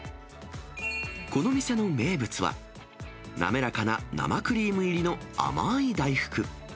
この店の名物は、滑らかな生クリーム入りの甘ーい大福。